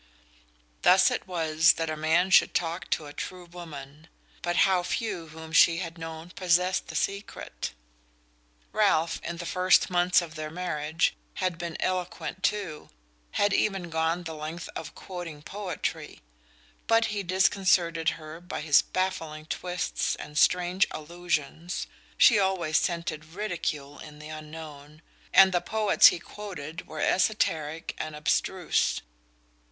Thus it was that a man should talk to a true woman but how few whom she had known possessed the secret! Ralph, in the first months of their marriage, had been eloquent too, had even gone the length of quoting poetry; but he disconcerted her by his baffling twists and strange allusions (she always scented ridicule in the unknown), and the poets he quoted were esoteric and abstruse.